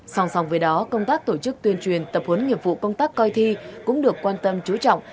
song song với đó công tác tổ chức tuyên truyền tập huấn nghiệp vụ công tác coi thi cũng được quan tâm chú trọng